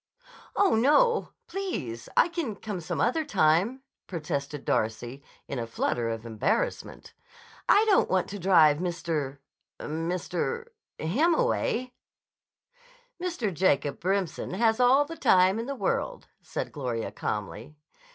"Oh, no! Please! I can come some other time," protested Darcy in a flutter of embarrassment. "I don't want to drive Mr.—Mr.— him away." "Mr. Jacob Remsen has all the time in the world," said Gloria calmly.